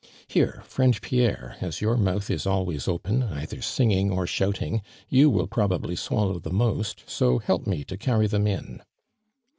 Here, friend Pierre, as your mouth is always open, either singing or shouting, you will proba bly swallow the most, so help me to carry them in!"